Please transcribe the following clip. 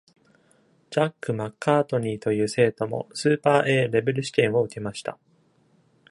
ジャック・マッカートニーという生徒もスーパー Ａ レベル試験を受けました。